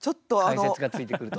解説がついてくると。